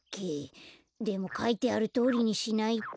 でもかいてあるとおりにしないと。